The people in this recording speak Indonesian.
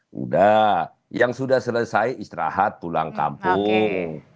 sudah yang sudah selesai istirahat pulang kampung